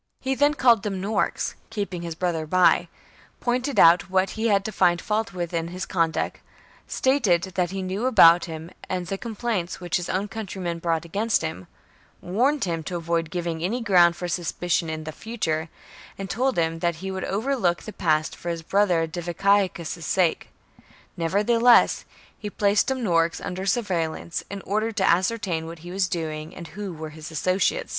He then called Dum norix, keeping his brother, by ; pointed out what he had to find fault with in his conduct ; stated what he knew about him, and the complaints which his own countrymen brought against him ; warned him to avoid giving any ground for suspicion in the future ; and told him that he would overlook the past for his brother Diviciacus's sake. Nevertheless he placed Dumnorix under surveil lance, in order to ascertain what he was doing and who were his associates.